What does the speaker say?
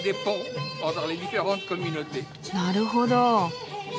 なるほど。